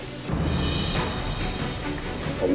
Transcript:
ผมนึกถึง